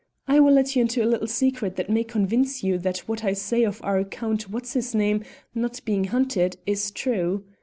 I will let you into a little secret that may convince you that what I say of our Count What's his name not being hunted is true.